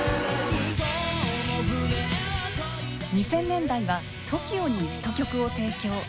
２０００年代はＴＯＫＩＯに詞と曲を提供。